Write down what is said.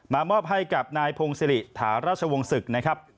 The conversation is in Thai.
มอบให้กับนายพงศิริถาราชวงศึกนะครับ